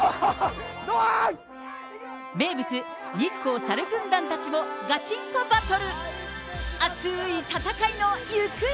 名物、日光猿軍団たちもガチンコバトル。